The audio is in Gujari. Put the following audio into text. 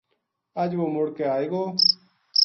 اج وہ مڑ کے آئے گو